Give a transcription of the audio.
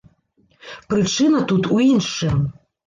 Прычына тут у іншым.